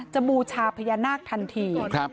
บูชาพญานาคทันที